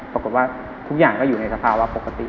ปรากฏว่าทุกอย่างก็อยู่ในสภาวะปกติ